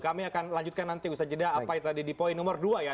kami akan lanjutkan nanti usaha jeda apa yang tadi di poin nomor dua ya